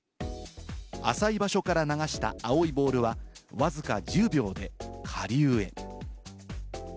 浅い場所から流した青いボールは、わずか１０秒で下流へ。